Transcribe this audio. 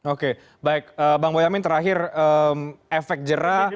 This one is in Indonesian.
oke baik pak boyamin terakhir efek jera